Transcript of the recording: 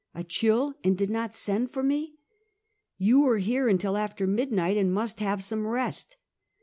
"A chill and did not send for me?" " You were here until after midnight, and must have some rest.